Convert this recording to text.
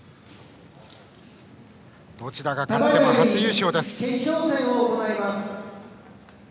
どちらが勝っても初優勝です。